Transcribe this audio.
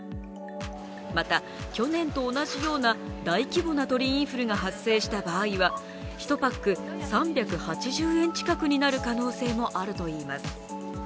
また、去年と同じような大規模な鳥インフルが発生した場合は、１パック３８０円近くになる可能性もあるといいます。